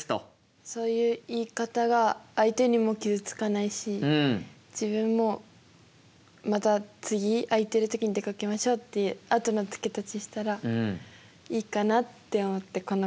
そういう言い方が相手にも傷つかないし自分もまた次空いてる時に出かけましょうっていうあとの付け足ししたらいいかなって思ってこの言葉を選びました。